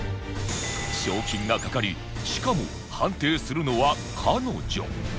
賞金が懸かりしかも判定するのは彼女